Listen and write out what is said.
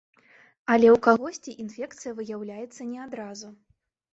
Але ў кагосьці інфекцыя выяўляецца не адразу.